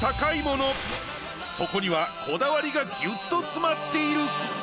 そこにはこだわりがギュッと詰まっている。